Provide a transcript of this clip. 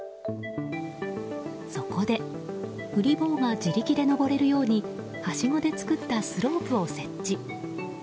そこで、ウリ坊が自力で登れるようにはしごで作ったスロープを設置。